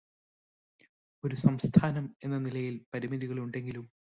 ഒരു സംസ്ഥാനം എന്ന നിലയിൽ പരിമിതികളുണ്ടെങ്കിലും